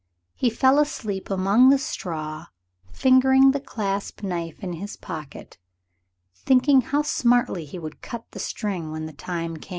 He fell asleep among the straw, fingering the clasp knife in his pocket, and thinking how smartly he would cut the string when the time came.